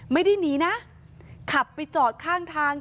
ไม่ได้หนีนะขับไปจอดข้างทาง